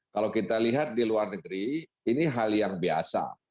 kalau kita lihat di luar negeri ini hal yang biasa